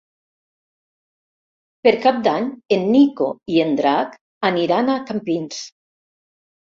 Per Cap d'Any en Nico i en Drac aniran a Campins.